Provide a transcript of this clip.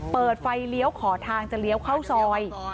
เปิดไฟเลี้ยวขอทางจะเลี้ยวเข้าซอย